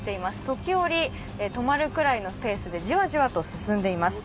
時折、止まるくらいのペースでじわじわと進んでいます。